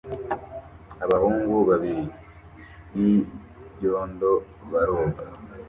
Abahungu babiri b'ibyondo baroga